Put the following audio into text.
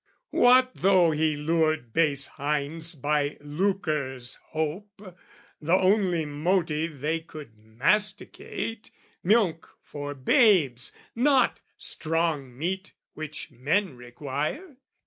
What though he lured base hinds by lucre's hope, The only motive they could masticate, Milk for babes, not stong meat which men require?